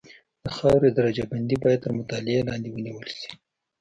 د خاورې درجه بندي باید تر مطالعې لاندې ونیول شي